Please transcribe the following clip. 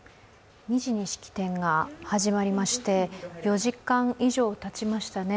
２時に式典が始まりまして、４時間以上たちましたね。